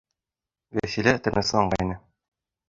Вәсилә тынысланғайны.